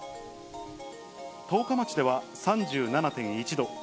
十日町では３７．１度。